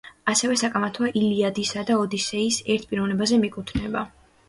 ასევე საკამათოა ილიადისა და ოდისეის ერთ პიროვნებაზე მიკუთვნება.